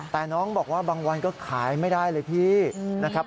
แต่น้องบอกว่าบางวันก็ขายไม่ได้เลยพี่นะครับ